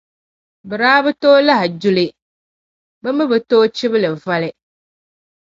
Bɛ daa bi tooi lahi du li, bɛ mi bɛ tooi chibi li voli.